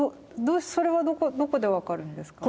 それはどこで分かるんですか？